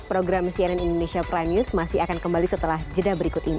program cnn indonesia prime news masih akan kembali setelah jeda berikut ini